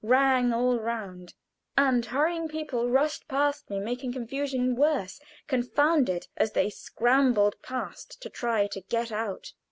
rang all round, and hurrying people rushed past me, making confusion worse confounded as they scrambled past to try to get out.